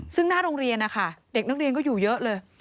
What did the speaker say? ซึ่งหน้าโรงเรียนนะคะเด็กนักเรียนก็อยู่เยอะเลย